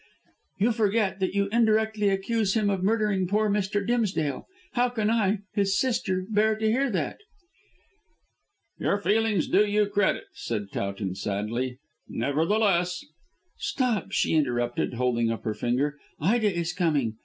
"You forget that you indirectly accuse him of murdering poor Mr. Dimsdale. How can I, his sister, bear to hear that?" "Your feelings do you credit," said Towton sadly; "nevertheless " "Stop!" she interrupted, holding up her finger. "Ida is coming.